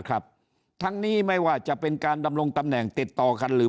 ครับทั้งนี้ไม่ว่าจะเป็นการดำรงตำแหน่งติดต่อกันหรือ